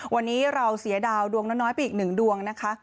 วันนี้เราเสียดาวดวงน้อยไปอีกหนึ่งดวงนะคะ